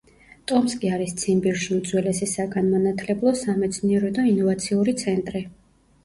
ტომსკი არის ციმბირში უძველესი საგანმანათლებლო, სამეცნიერო და ინოვაციური ცენტრი.